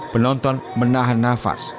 penonton menahan nafas